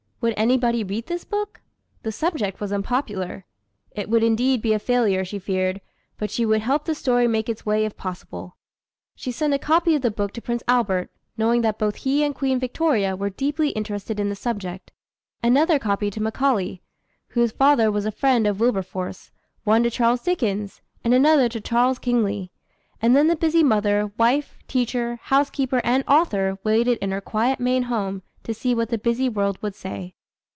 Would anybody read this book? The subject was unpopular. It would indeed be a failure, she feared, but she would help the story make its way if possible. She sent a copy of the book to Prince Albert, knowing that both he and Queen Victoria were deeply interested in the subject; another copy to Macaulay, whose father was a friend of Wilberforce; one to Charles Dickens; and another to Charles Kingsley. And then the busy mother, wife, teacher, housekeeper, and author waited in her quiet Maine home to see what the busy world would say.